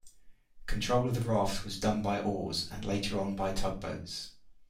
Control of the raft was done by oars and later on by tugboats.